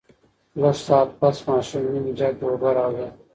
لږ ساعت پس ماشوم نيم جګ اوبۀ راوړې